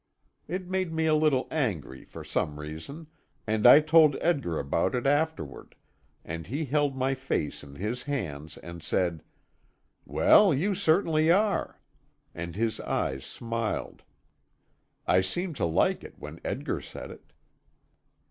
It made me a little angry for some reason, and I told Edgar about it afterward, and he held my face in his hands and said: "Well, you certainly are," and his eyes smiled. I seemed to like it when Edgar said it.